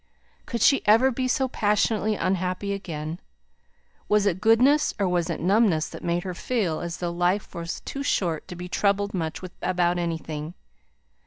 Could she ever be so passionately unhappy again? Was it goodness, or was it numbness, that made her feel as though life was too short to be troubled much about anything?